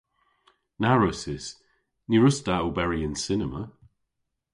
Na wrussys. Ny wruss'ta oberi yn cinema.